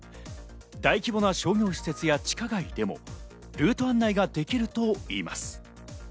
大規模な商業施設や地下街でもルート案内ができるといいます。